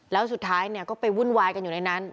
แล้วสุดท้ายเนี่ยก็ไปวุ่นวายกันอยู่ในนั้น